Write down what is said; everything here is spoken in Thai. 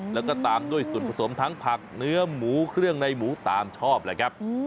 แล้วก็ตามด้วยส่วนผสมทั้งผักเนื้อหมูเครื่องในหมูตามชอบแหละครับ